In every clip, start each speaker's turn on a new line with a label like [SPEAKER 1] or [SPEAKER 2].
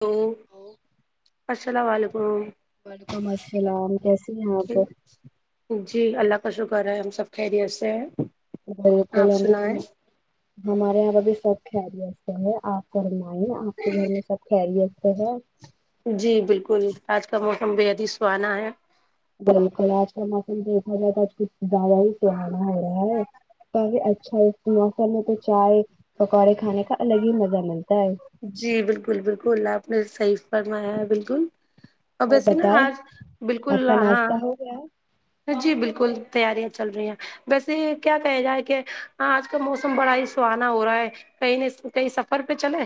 [SPEAKER 1] تو
[SPEAKER 2] ہلو
[SPEAKER 1] اسلام علیکم
[SPEAKER 2] وعلیکم السلام کیسی ہیں آپ
[SPEAKER 1] جی اللہ کا شکر ہے ہم سب خیریت سے ہیں
[SPEAKER 2] بالکل
[SPEAKER 1] آپ
[SPEAKER 2] بھی
[SPEAKER 1] سنائیں
[SPEAKER 2] ہمارے یہاں پہ ابھی سب خیریت یسے ہیں آپ فرمائی آپ کے گھر میں سب خریت سے ہے
[SPEAKER 1] جی بالکل آج کا موسم بےحد ہی سہانا ہے
[SPEAKER 2] بالکل آج کا موسم دیکھا جائے آج کو زیادہ ہی سہانا ہو رہا ہے تکہ اچھا موسم میں تو چائے پکوڑے کھانے کا الگ ہی مزہ ملتا ہے
[SPEAKER 1] جی بالکل بالکل آپ نے صحیح فرمایا ہے بالکل اور ویسے نا آج بالکل
[SPEAKER 2] آپ کا
[SPEAKER 1] ہاں
[SPEAKER 2] ناشتہ ہو گیا
[SPEAKER 1] جی بالکل تیاریاں چل رہی ہیں ویسے کیا کہا جائے کہ ہاں آج کا موسم بڑا ہی سہانا ہو رہا ہے کہیں کہئی سفر پہ چلے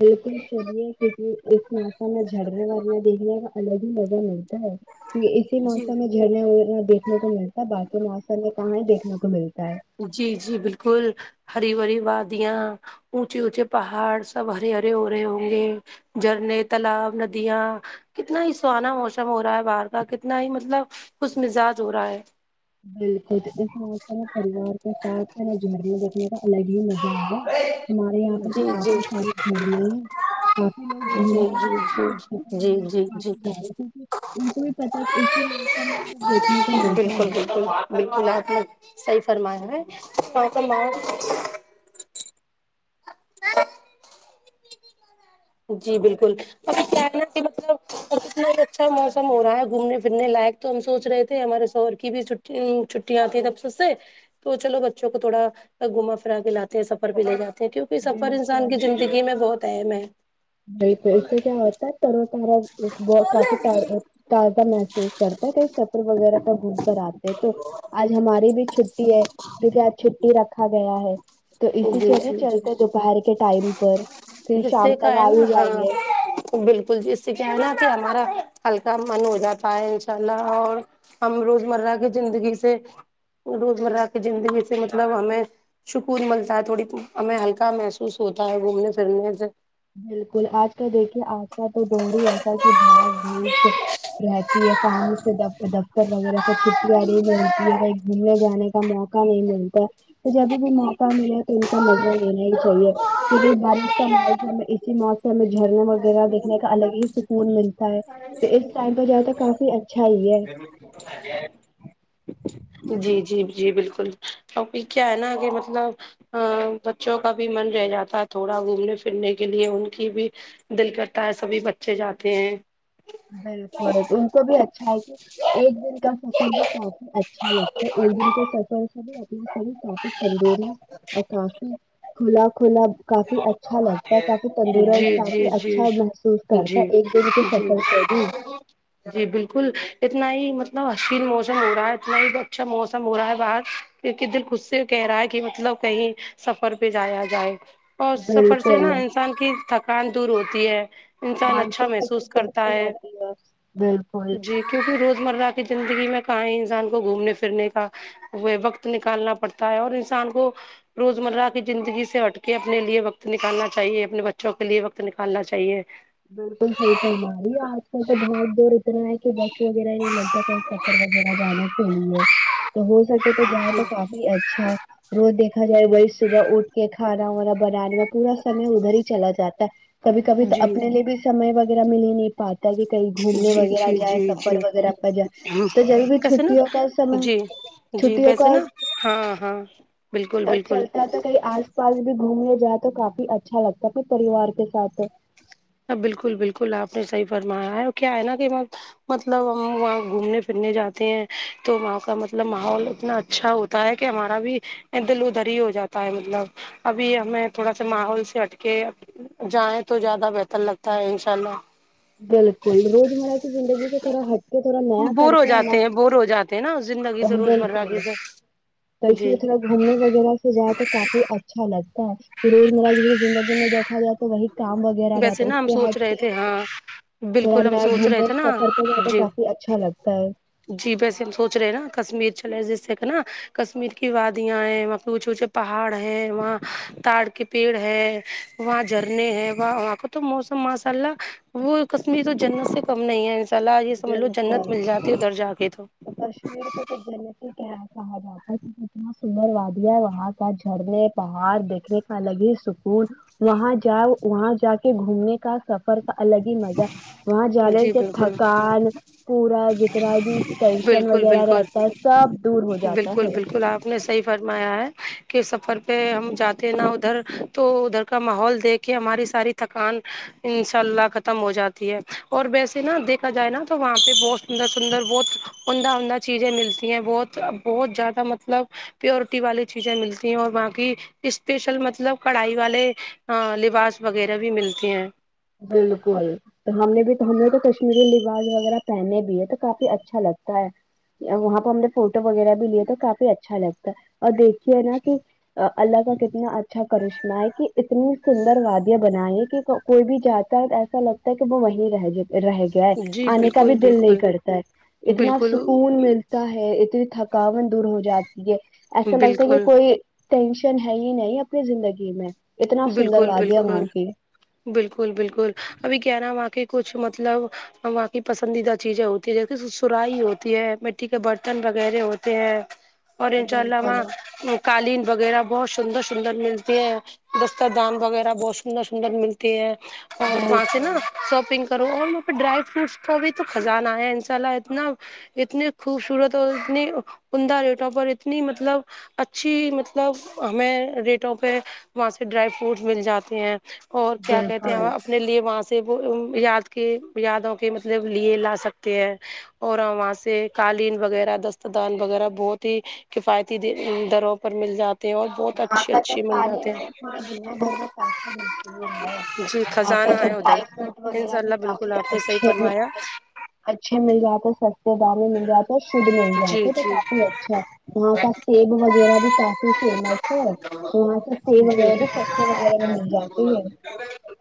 [SPEAKER 2] بالکل چلیے کیونکہ اس موسم میں جھرنے ورنے دیکھنے کا الگ ہی مزہ ملتا ہے اسی
[SPEAKER 1] جی
[SPEAKER 2] موسم میں جھرنا ونا دیکھنے کو ملتا ہے باقی موسم میں کہاں ہی دیکھنے کو ملتا ہے
[SPEAKER 1] جی جی بالکل ہری بری وادیاں اونچے اونچے پہاڑ سب ہرے ہرے ہو رہے ہوں گے جھرنے تالاب ندیا کتنا ہی سہانا موسم ہو رہا ہے باہر کا کتنا ہی مطلب خوش مزاج ہو رہا ہے
[SPEAKER 2] بالکل تو اس میں میرا پریوار کے ساتھ میرا جھرنے دیکھنے کا الگ ہی مزہ ہے ہمارے یہاں پہ تو
[SPEAKER 1] جی جی
[SPEAKER 2] کافی سارے جھرنے ہیں کافی لوگ
[SPEAKER 1] جی جی
[SPEAKER 2] گھومنے میں جا رہے ہیں سفر
[SPEAKER 1] جی جی
[SPEAKER 2] وغیرہ
[SPEAKER 1] جی جی
[SPEAKER 2] کافی جا رہے ہیں کیونکہ ان کو بھی پتا ہے اس موسم دیکنے کو بل
[SPEAKER 1] بالکل بالکل بالکل آپ صحیح فرما ہے [inaudible] جی بالکل اب کیا ہے ن کہ مطلب اتنا بھی اچھا موسم ہو رہا ہے گھومنے پھرنے لائق تو ہم سوچ رہے تھے ہمارے سوہر کی بھی چھو چھٹیاں آتی ہیں تب سے تو چلو بچوں کو تھوڑا گھما پھرا کے لاتے ہیں سفر بھی لے جا کیونکہ سفر انسان
[SPEAKER 2] بالکل
[SPEAKER 1] کی زندگی میں بہت اہم ہے
[SPEAKER 2] بالکل اس سے کیا ہوتا ہے ترو تارا بہت کافیکار تازہ محسوس کرتا ہے کہیں سفر وغیرہ کا گھوم کر آتے ہیں تو آج ہماری بھی چھٹی ہے جو کہ آج چھٹی رکھا گیا ہے تو اسی
[SPEAKER 1] جی
[SPEAKER 2] چرے
[SPEAKER 1] جی
[SPEAKER 2] چلتے دوپہر کے ٹائم پر پھر
[SPEAKER 1] جس
[SPEAKER 2] شام
[SPEAKER 1] سے کا
[SPEAKER 2] تک
[SPEAKER 1] ہے
[SPEAKER 2] آ بھی
[SPEAKER 1] نا ہاں
[SPEAKER 2] جائیں گے
[SPEAKER 1] بالکل جس سے کہنا کہ ہمارا ہلکا من ہو جاتا ہے انشاء اللہ اور ہم روزمرہ کی زندگی سے روزمرہ کی زندگی سے مطلب ہمیں پھول ملتا ہے تھوڑی تو ہمیں ہلکا محسوس ہوتا ہے گھومنے پھرنے سے
[SPEAKER 2] بالکل آج کال دیکھیے آج کا تو دور ہی ایسا کہ بھاگ بھوک رہتی ہے تمج سےدفتر دفتر وغیرہ سب چھٹییا نہیں ملتی ہے کہیں گھومنے جانے کا موقع نہیں ملتا تو جب بھی موقع ملے ان کا مزہ لینا ہی چاہیے کیونکہ بارش کا موسم ہے اسی موسم میں جھرنے وگ یرہ
[SPEAKER 1] سے
[SPEAKER 2] دیکھنے کا الگ ہی سکون ملتا ہے تو اس ٹائم پہ جائے تو کافی اچھا ہی ہے
[SPEAKER 1] جی جی جی بالکل ابھی کیا ہے نا کہ مطلب ا بچوں کا بھی من رہ جاتا ہے تھوڑا گھومنے پھرنے کے لیے ان کی بھی دل کرتا ہے سبھی بچے جاتے ہیں
[SPEAKER 2] بالکل ان کو بھی اچھا ہے کہ ایک دن کا سفر بھی کافی اچھ اچھا لگتا ہے ایک دن کے سفر سے بھی اپنا شریر کافی تندست اور کافی کھلا کھلا کافی اچھا لگتا ہے کافی تندرست
[SPEAKER 1] جی جی
[SPEAKER 2] کافی
[SPEAKER 1] جی
[SPEAKER 2] اچھا محسوس کرتا
[SPEAKER 1] جی
[SPEAKER 2] ہے ایک دن کے
[SPEAKER 1] جی
[SPEAKER 2] سفر ہوں
[SPEAKER 1] جی بالکل اتنا ہی مطلب حسین موسم ہو رہا ہے اتنا ہی اچھا موسم ہو رہا ہے باہر کی دل خود سے کہہ رہا ہے کہ مطلب کہیں سفر پہ جایا جائے اور سفر سے
[SPEAKER 2] بالکل
[SPEAKER 1] نا انسان کی تھکان دور ہوتی ہے انسان اچھا
[SPEAKER 2] مانسک ستی
[SPEAKER 1] محسوس
[SPEAKER 2] بھی
[SPEAKER 1] کرتا
[SPEAKER 2] اچھی
[SPEAKER 1] ہے
[SPEAKER 2] رہتی بالکل
[SPEAKER 1] جی کیونکہ روز مرہ کی زندگی میں کہاں ہی انسان کو گھومنے پھرنے کا وقت نکالنا پڑتا ہے اور انسان کو روزمرہ کی زندگی سے ہٹ کے اپنے لیے وقت نکالنا چاہیے اپنے بچوں کے لیے وقت نکالنا چاہیے
[SPEAKER 2] بالکل صحیح فرما رہی آج کل تو بھاگ دوڑ طح ہے کہ وقت وغیرہ نہیں لگتا کہ سفر وغیرہ جانے کے لیے تو ہو سک تو تو جاہا
[SPEAKER 1] جی
[SPEAKER 2] تو کافی اچھا ہے روز دیکھا جائے وہی صبح اٹھ کے کھانا وانا بنانے کا پورا سمے ادھر ہی چلا جاتا کبھی کبھی تو اپنے لیے بھی سمے وغیرہ مل ہی نہیں پات کل بھی کہیں گھومنے
[SPEAKER 1] جی
[SPEAKER 2] وغیرہ
[SPEAKER 1] جی
[SPEAKER 2] جائے
[SPEAKER 1] جی
[SPEAKER 2] سفر
[SPEAKER 1] جی
[SPEAKER 2] وغیرہ پر جائے تو جب بھی
[SPEAKER 1] کیسے نا
[SPEAKER 2] چھٹیوں کا سمے
[SPEAKER 1] جی جی
[SPEAKER 2] چھٹیوں
[SPEAKER 1] ویسے
[SPEAKER 2] کا
[SPEAKER 1] نا ہاں ہاں بالکل بالکل
[SPEAKER 2] چلتا تو کہئی آج پس بھی گھومنے جائے تو کافی اچھا لگتا ہے پھر پریوار کے ساتھ
[SPEAKER 1] ہ بالکل بالکل آپ نے صحیح فرمایا ہے کیا ہے نا کہ میں مطلب ہم وہاں گھومنے پھرنے جاتے ہیں تو وہاں کا مطلب ماحول اتنا اچھا ہوت ہوتا ہے کہ ہمارا بھی دل ادھری ہی ہو جاتا ہے مطلب ابھی ہمیں تھوڑا سا ماحول سے ہٹ کے جائیں تو زیادہ بہ تر لگتا ہے ان شاء اللہ
[SPEAKER 2] بالکل روزمرہ کی زندگی سے تھوڑا ہٹ کے تھوڑا نیا کرتے ہے نا
[SPEAKER 1] تھے نا زندگی
[SPEAKER 2] تو
[SPEAKER 1] سے
[SPEAKER 2] ہم
[SPEAKER 1] روزمرہ کی
[SPEAKER 2] بالکل
[SPEAKER 1] سے جی
[SPEAKER 2] [unintelligible] گھومنے وغیرہ سے جائے تو کافی اچھا لگتا ہے کہ روزمرہ جسے زندگی میں دیکھا جائے تو وہی کام وغیرہ
[SPEAKER 1] ویسے
[SPEAKER 2] رہتا اس
[SPEAKER 1] نا ہم
[SPEAKER 2] سے
[SPEAKER 1] سوچ
[SPEAKER 2] ہٹ
[SPEAKER 1] رہے
[SPEAKER 2] کے
[SPEAKER 1] تھے ہاں
[SPEAKER 2] تھوڑا
[SPEAKER 1] بالکل ہم
[SPEAKER 2] نیے
[SPEAKER 1] سوچ رہے
[SPEAKER 2] گھومنے
[SPEAKER 1] تھے نا
[SPEAKER 2] سفر پہ جائے تو
[SPEAKER 1] جی
[SPEAKER 2] کافی اچھا لگتا ہے
[SPEAKER 1] چلے نا کشمیر چلے جیسے کہ نا کشمیر کی وادیاں ہیں وہاں پے اوچھے پہاڑ ہے وہاں تار کے پیڑ ہے وہاں جھرنے ہیں وہ کو تو موسم ماشاء اللہ وہ کشمیر تو جنت سے کم نہیں ہے سلاح یہ سمجھ لو جنت
[SPEAKER 2] بالکل
[SPEAKER 1] مل جاتی ہے ادھر جا کے تو
[SPEAKER 2] کشمیر کو تو جنت ہی کیا کہا جات اتنا سندر وادیا ہے وہاں کا جھرنے پہاڑ دیکھنے کا الگ ہی سکون وہاں جاؤ وہاں جا کے گھومنے کا سب سفر کا الگ ہی مزہ ہے وہاں جانے
[SPEAKER 1] جی
[SPEAKER 2] سے
[SPEAKER 1] بالکل
[SPEAKER 2] تھکان پورا جتنا بھی ٹینشن
[SPEAKER 1] بالکل
[SPEAKER 2] وغیرہ
[SPEAKER 1] بالکل
[SPEAKER 2] رہتا ہے سب دور ہو جاتا
[SPEAKER 1] بالکل
[SPEAKER 2] ہے
[SPEAKER 1] بالکل اپ نے صحیح فرمایا ہے کہ سفر پہ ہم جاتے نا ادھر تو ادھر کا ماحول دیکھ کہ ہماری ساری تھکان انشاء اللہ ختم ہو جاتی ہے اور ویسے نا دیکھا جائے نا تو وہاں پہ بہت سندر سندر بہت عدہ عمدہ چیزیں ملتی ہیں بہت بہت زیادہ مطلب پیورٹی والی چیزیں ملتی ہیں اور وہاں کی اسپیشل مطلب کڑھائی والے لباس وغیرہ بھی ملتی ہیں
[SPEAKER 2] بالکل تو ہم نے بھی تو ہم نے تو کشمیری لباس وغیرہ پہنے بھی ہے تو کافی اچھا لگتا ہے وہاں پہ ہم نے فوٹو وغیرہ بھی لیا تو کافی اچھا لگتا ہے اور دھ کے ہے نا کہ اللہ کا کتنا اچھا کرشمہ ہے کی اتنی سندر وادیا بنائی کہ کوئی بھی جاتتا ایسا لگتا ہے کہ وہیں رہ جاتا رہ گیا ہے
[SPEAKER 1] جی
[SPEAKER 2] آنے کا بھی
[SPEAKER 1] بالکل
[SPEAKER 2] دل نہیں
[SPEAKER 1] بالکل
[SPEAKER 2] کرتا ہے اتنا
[SPEAKER 1] بالکل
[SPEAKER 2] سکون مل تا ہے اتنی تھکاوون دور ہو جاتی ہے ایسا لگتا ہے کہ
[SPEAKER 1] بالکل
[SPEAKER 2] کوئی ٹینشن ہے ہی نہیں اپنی زندگی میں اتنا سندر
[SPEAKER 1] بالکل
[SPEAKER 2] وادیا وہاں
[SPEAKER 1] بالکل
[SPEAKER 2] کی
[SPEAKER 1] بالکل بالکل ابھی کیا ہے نا وہاں کے کچھ مطلب وہاں کی پسندیدہ چیزیں ہو جیسے سو سرائی ہوتی ہے مٹی کے برتن وغیرہ ہوتے ہیں اور انشاء اللہ
[SPEAKER 2] بالکل
[SPEAKER 1] وهاں قالین وغیرہ بہت سندر سندر ملتی ہے دستر دان وغیرہ بہت سندر سندر ملتی ہے اور وہاں سے نا
[SPEAKER 2] بالکل
[SPEAKER 1] شاپنگ کرو اور وہاں پے ڈرائی فروٹس کو بھی تو خزانہ آیا ہے انشاء اللہ اتنا اتنی خوبصورت اور اتنی عمدہ ریٹوں پر اتنی مطلب اچھی مطلب ہمیں ریٹوں پہ وہاں سے ڈرائی فروٹس مل جاتے ہیں اور کیا کہتے ہیں
[SPEAKER 2] بالکل
[SPEAKER 1] اپنے لیے وہاں سے وہ یاد کے یادوں کے مطلب لیے لا سکتے ہیں اور وہاں سے قالین وغیرہ دست دان وغیرہ بہت ہی کفایتی دی دروں پر مل جاتے ہیں اور بہت اچھی اچھی مل جاتی
[SPEAKER 2] پورے دنیا بھر میں کافی مشہور ہے
[SPEAKER 1] جی
[SPEAKER 2] اور پے
[SPEAKER 1] خزانہ
[SPEAKER 2] جو
[SPEAKER 1] ہے ادھر
[SPEAKER 2] ڈرائی فروٹ
[SPEAKER 1] انشاء
[SPEAKER 2] وغیرہ بھی
[SPEAKER 1] اللہ
[SPEAKER 2] کافی
[SPEAKER 1] بالکل آپ نے صحیح
[SPEAKER 2] اچھے ہیں
[SPEAKER 1] فرمایا
[SPEAKER 2] اچھے مل جاتے سستے دام میں مل جاتے اور شدھ مل
[SPEAKER 1] جی
[SPEAKER 2] جاتے تو
[SPEAKER 1] جی
[SPEAKER 2] کافی اچھا یہاں کا سیب وغیرہ بھی کافی فیمس ہے تو یہاں سے سیب
[SPEAKER 1] جی
[SPEAKER 2] وغیرہ بھی سستے وغیرہ میں مل جاتی ہی ہیں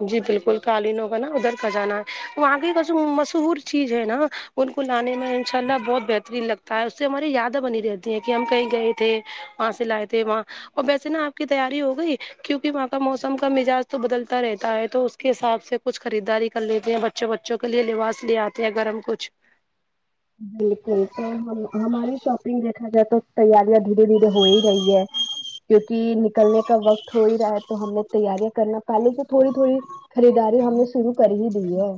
[SPEAKER 1] جی بالکل قالینوں کا نا ادھر خزانہ وہاں کی کا جو مشہور چیز ہے نا ان کو لانے میں ان شاء اللہ بہت بہترین لگتا ہے اس سے ہماری یادیں بنی رہتی ہیں کہ ہم کہیں گئے تھے وہاں سے لائے تھے وہاں اور ویسے نا آپ کی تیاری ہو گئی کیوںکہ وہاں کا موسم کا مزاج تو بدلتا رہتا ہے تو اس کے حساب سے کچھ خریداری کر لیتے ہیں بچوں بچوں کے لیے لباس لے آتے ہیں گرم کچھ
[SPEAKER 2] بالکل تو ہم ہماری شاپنگ دیکھا جائے تو تیاریاں دھیرے دھیرے ہو ہی رہی ہے کیونک نکلنے کا وقت ہو ہی رہا ہے تو ہم نے تیاریاں کرنا پہلے جو تھوڑی تھوڑی خریداری ہم نے شروع کر ہی دی ہے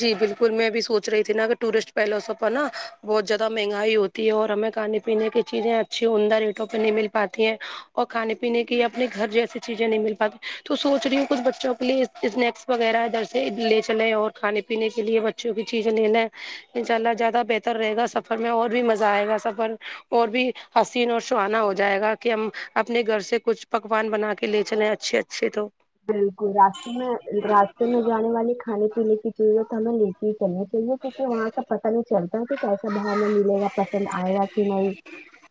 [SPEAKER 1] جی بالکل میں بھی سوچ رہی تھی نا کہ ٹورسٹ پہلووں پر نا بہت زیادہ مہنگائی ہوتی تی ہے اور ہمیں کھانے پینے کی چیزیں اچھی عمدہ ریٹوں پہ نہیں مل پاتی ہیں اور کھانے پینے کی اپنے گھر جیسی چیزیں نہیں مل پاتی تو سوچ رہی ہوں کچھ بچوں کے لیے اسنیکس وغیرہ جیسے لے چلے اور کھے پینے کے لیے بچوں کی چیزیں لیںنا ہے انشاء اللہ زیادہ بہتر رہے گا سفر میں اور بھی مزہ آئے گا سفر اور بھی حسین اور سہانا ہو جائے گا کہ ہم اپنے گھر سے کچھ پکوان بنا کے لے چلیں اچھے اچھے تو
[SPEAKER 2] بالکل راستے میں راستے میں جانے والے کھانے پینے کی چیزے تو ہمیں لے کے ہی چلنی چاہیے کیونکہ وہاں کا پتا نہیں چلتا ہے کہ کیسا بھاؤ ہمیں مل گا پسند آئے گا کہ نہیں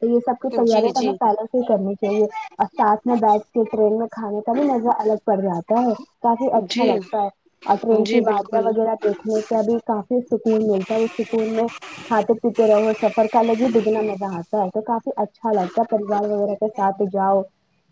[SPEAKER 2] تو یہ سب کی
[SPEAKER 1] جی
[SPEAKER 2] تیارییا ہم
[SPEAKER 1] جی
[SPEAKER 2] ہمیں پہلے سے ہی کرنی چاہیے اور ساتھ میں بیٹھ کے ٹرین میں کھانے کا بھی مزہ الگ پڑ جاتا ہے کافی اچھا
[SPEAKER 1] جی
[SPEAKER 2] لگتا ہے اور ٹرین کی
[SPEAKER 1] جی
[SPEAKER 2] وادیاں
[SPEAKER 1] بالکل
[SPEAKER 2] وغیرہ دیکھنے کے اب کافی سکون ملتا ہے اس سکون میں کھاتے پیتے رہو سفر کا لگ ہی دگنا مزہ آتا ہے تو کافی اچھا لگتا ہے پریوار وغیرہ کا سھ جاؤ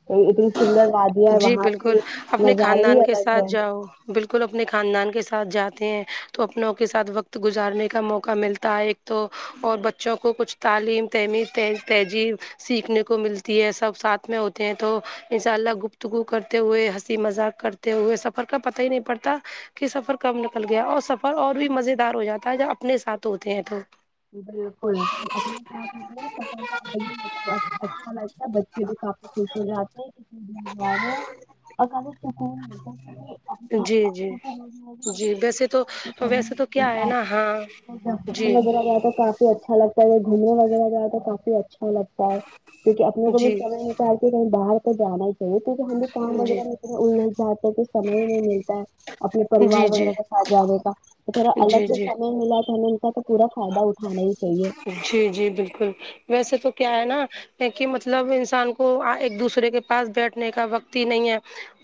[SPEAKER 2] اتنی سندر وادیاں ہے
[SPEAKER 1] جی
[SPEAKER 2] وہاں
[SPEAKER 1] بالکل
[SPEAKER 2] کی
[SPEAKER 1] اپنے
[SPEAKER 2] نظارے ہی
[SPEAKER 1] خاندان کے
[SPEAKER 2] الگ
[SPEAKER 1] ساتھ
[SPEAKER 2] ہے
[SPEAKER 1] جاؤ بالکل اپنے خاندان کے ساتھ جاتے ہیں تو اپنوں کے ساتھ وقت گزارنے کا موقع ملتا ہے ایک تو اور بچوں کو کچھ تعلیم تہمیز تہذیب سیکھنے کو ملتی ہوتی ہے سب ساتھ میں ہوتے ہیں تو ان شاء اللہ گفتگو کرتے ہوئے ہنسی مذاق کرتے ہوئے سفر کا پتہ ہی نہیں پڑتا کہ سفر کب نکل گیا اور سفر اور بھی مزے دار ہو جاتا ہے جب اپنے ساتھ ہوتے ہیں تو
[SPEAKER 2] بالکل سب اپنے ساتھ ہوتے سفتا ملب اچھا لگتا ہے بچے بھی کافی خوش ہو جاتے ہیں بھیجو [inaudible] [inaudible] تو
[SPEAKER 1] جی جی جی ویسے تو ویسے تو کیا ہے نا ہاں جی
[SPEAKER 2] کافی اچھا لگتا ہے گھومنے وغیرہ جاؤ تو کافی اچھا لگتا ہے کیونک اپنے کو بھی
[SPEAKER 1] جی
[SPEAKER 2] سمے چل کے کہیں باہر تو جانا ہے تو ہم بھی کام
[SPEAKER 1] جی
[SPEAKER 2] وغیرہ میںنا انا چاہتے ہیں تو سمے ہی نہیں ملتا ہے اپنے پریوار
[SPEAKER 1] جی جی
[SPEAKER 2] وغیرہ کا آ جانے کا تو تھوڑا
[SPEAKER 1] جی
[SPEAKER 2] الگ سے
[SPEAKER 1] جی
[SPEAKER 2] سمے ملا تو ہمیں ان کا پورا فائدہ اٹھانا ہی چاہیے
[SPEAKER 1] جی جی بالکل ویسے تو کیا ہے نا کہ مطلب انسان کو ایک دوسرے کے پاس بیٹھنے کا وقت ہی نہیں ہے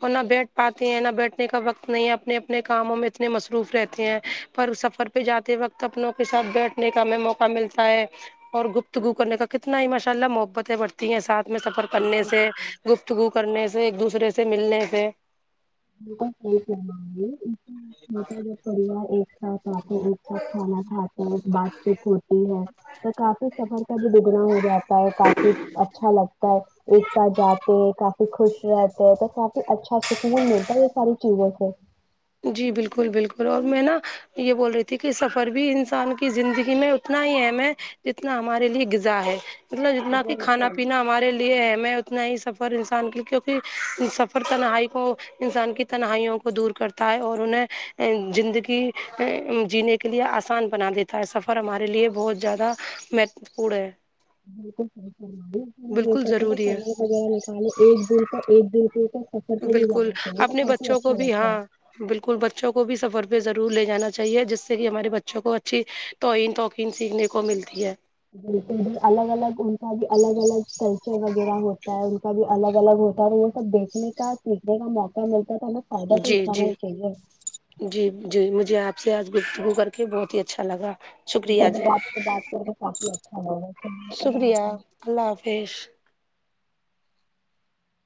[SPEAKER 1] اور نہ بیٹھ پاتے ہیں نہ بیٹھنے کا وقت نہیں ہے اپنے اپنے کاموں میں اتنے مصروف رہتے ہیں پر سفر پہ جاتے وقت اپنوں کے ساتھ بیٹھنے کا ہمیں موقع ملتا ہے اور گفتگو کرنے کا کتنا ہی ماشاء اللہ محبتیں بڑتی ہیں ساتھ میں سفر کرنے سے گفتگو کرنے سے ایک دوسرے سے ملنے سے
[SPEAKER 2] [unintelligible] بتا جو پریوار ایک ساتھ آتے ایک ساتھ کھانا کھاتے ہیں بات چیت ہوتی ہے تو کافی سفر کا بھی دگنا ہو جاتا ہے کافی اچھا لگتا ایک ساتھ جاتے کافی خوش رہتے ہیں تو کافی اچھا سکون مل یہ سار چیزوں سے
[SPEAKER 1] جی بالکل بالکل اور میں نا یہ بول رہی تھی کہ سفر بھی انسان کی زندگی میں اتنا ہی اہم ہے جتنا ہمارے لیے غذا ہے مطلب جتنا کہ کھانا
[SPEAKER 2] سے
[SPEAKER 1] پینا ہمارے لیے ہے میں اتنا ہی سفر انسان کی کیونکہ سفر تنہائی کو انسان کی تنہائیوں کو دور کر تا اور انہیں زندگی ا جینے کے لیے آسان بنا دیتا سفر ہمارے لیے بہت زیادہ مہتو پورن ہے
[SPEAKER 2] بالکل صی ہو
[SPEAKER 1] بالکل
[SPEAKER 2] سکے
[SPEAKER 1] ضروری ہے
[SPEAKER 2] سمے وغیرہ نکالے ایک دن تو ایک دن سے تو سفر پے ہی
[SPEAKER 1] بالکل
[SPEAKER 2] جانا چاہیے تو
[SPEAKER 1] اپنے
[SPEAKER 2] کافی
[SPEAKER 1] بچوں کو
[SPEAKER 2] اچھا
[SPEAKER 1] بھی
[SPEAKER 2] لگتا ہے
[SPEAKER 1] ہاں بالکل بچوں کو بھی سفر پہ ضرور لے جانا چاہیے جس سے کہ ہمارے بچوں کو اچھی ٹوئین ٹوکین سیکھنے کو ملتی ہے
[SPEAKER 2] بالک ادھر الگ الگ ان کا بھی الگ الگ کلچر وغیرہ ہوتا ہے ان کا بھی الگ الگ ہوتا ہے اور وہ ب دیکھنے کا سیکھنے کا موقع ملتا ہے تو ہمیں فائدہ تو
[SPEAKER 1] جی
[SPEAKER 2] اٹھانا
[SPEAKER 1] جی
[SPEAKER 2] ہی چاہیے
[SPEAKER 1] جی جی مجھے آپ سے آج گ کر کے بہت ہی اچھا لگا شکریہ
[SPEAKER 2] باجی
[SPEAKER 1] جی
[SPEAKER 2] اپ سے بات کر کے کافی اچھا لگا چلیے الله
[SPEAKER 1] شکریہ
[SPEAKER 2] حافظ
[SPEAKER 1] اللہ حافظ